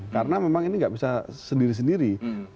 karena memang ini nggak bisa sendiri sendiri